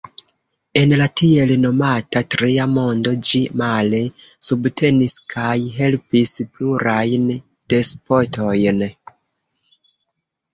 En la tiel nomata tria mondo ĝi, male, subtenis kaj helpis plurajn despotojn.